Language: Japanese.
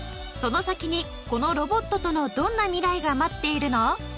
その先にこのロボットとのどんな未来が待っているの？